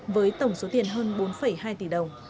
với tổng số tiền hơn bốn hai tỷ đồng